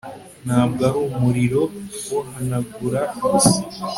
ntabwo ari umuriro wohanagura gusa